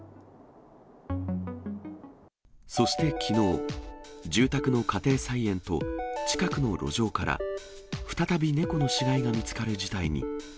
そしてきのう、住宅の家庭菜園と近くの路上から、再び猫の死骸が見つかる事態に。